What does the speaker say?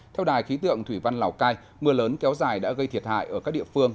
theo đài khí tượng thủy văn lào cai mưa lớn kéo dài đã gây thiệt hại ở các địa phương